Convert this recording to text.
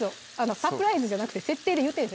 サプライズじゃなくて設定で言ってるんです